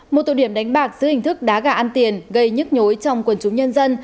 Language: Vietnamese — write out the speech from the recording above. một tụ điểm đánh bạc giữa hình thức đá gà ăn tiền gây nhức nhối trong quần chúng nhân dân